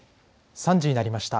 ３時になりました。